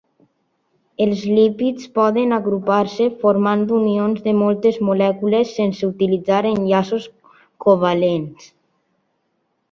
Els lípids poden agrupar-se formant unions de moltes molècules sense utilitzar enllaços covalents.